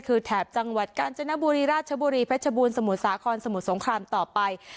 คือแถบจังหวัดกาญจนบุรีราชบุรีเพชรบูรสมุทรสาครสมุทรสงครามต่อไป